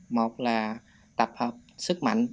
một là tập hợp sức mạnh